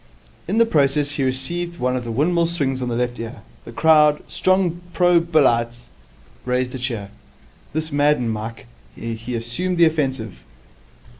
In the process he received one of the windmill swings on the left ear. The crowd, strong pro Billites, raised a cheer. This maddened Mike. He assumed the offensive.